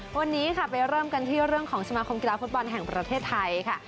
วันนี้ค่ะไปเริ่มกันที่เรื่องของสมาคมกีฬาฟุตบอลแห่งประเทศไทยค่ะ